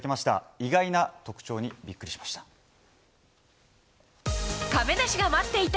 意外な特徴にビックリしました。